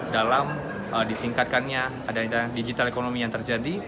dalam ditingkatkannya ada digital ekonomi yang terjadi